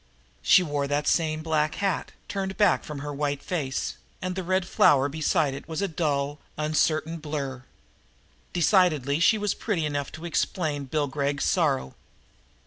She wore that same black hat, turned back from her white face, and the red flower beside it was a dull, uncertain blur. Decidedly she was pretty enough to explain Bill Gregg's sorrow.